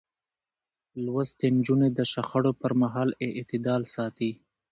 لوستې نجونې د شخړو پر مهال اعتدال ساتي.